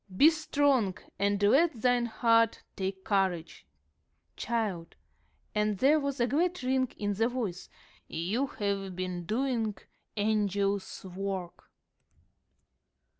'Be strong, and let thine heart take courage.' Child," and there was a glad ring in the voice, "you have been doing angel's work."